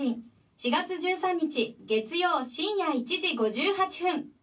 ４月１３日月曜深夜１時５８分。